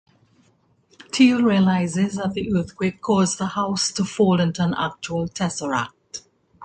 Teal realizes that the earthquake caused the house to fold into an actual tesseract.